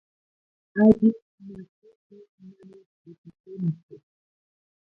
Alliq makipis manan atipanchu.